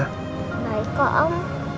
baik kok om